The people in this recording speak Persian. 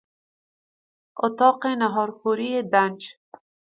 اتاق ناهارخوری دنج